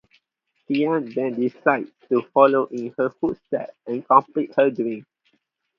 Tian then decides to follow in her footsteps and complete her dream.